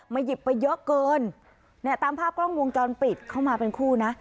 หยิบไปเยอะเกินเนี่ยตามภาพกล้องวงจรปิดเข้ามาเป็นคู่นะ